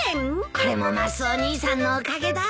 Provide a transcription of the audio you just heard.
これもマスオ兄さんのおかげだ。